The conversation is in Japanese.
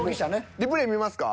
リプレイ見ますか？